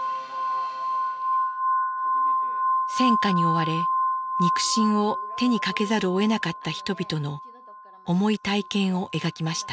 戦火に追われ肉親を手にかけざるをえなかった人々の重い体験を描きました。